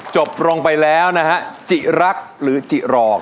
จบลงไปแล้วนะฮะจิรักหรือจิรอง